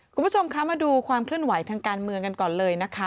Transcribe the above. คุณผู้ชมคะมาดูความเคลื่อนไหวทางการเมืองกันก่อนเลยนะคะ